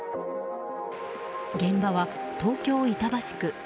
現場は、東京・板橋区。